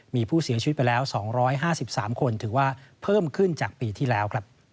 มีผู้เสียชีวิตไปแล้ว๒๕๓คนถือว่าเพิ่มขึ้นจากปีที่แล้ว